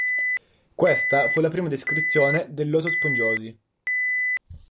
Questa fu la prima descrizione dell'otospongiosi.